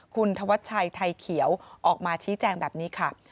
คุณธวัชชัยไทยเขียวออกมาชี้แจงแบบนี้ค่ะ